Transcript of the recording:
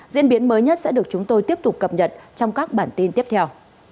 diễn biến mới nhất sẽ được chúng tôi tiếp tục cập nhật trong các bản tin tiếp theo